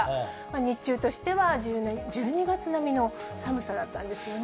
日中としては１２月並みの寒さだったんですよね。